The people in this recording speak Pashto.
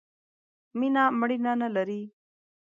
مینه مړینه نه لرئ